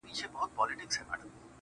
ورکه لالیه چي ته تللی يې خندا تللې ده,